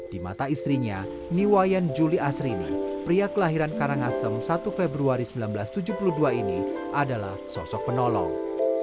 di mata istrinya niwayan juli asrini pria kelahiran karangasem satu februari seribu sembilan ratus tujuh puluh dua ini adalah sosok penolong